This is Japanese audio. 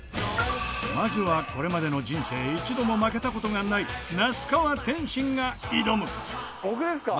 まずは、これまでの人生一度も負けた事がない那須川天心が挑む那須川：